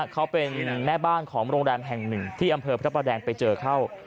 เขาเป็นแม่บ้านของโรงแรมแห่งหนึ่งที่อำเภอพระประแดงไปเจอเข้า